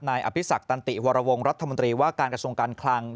อภิษักตันติวรวงรัฐมนตรีว่าการกระทรวงการคลัง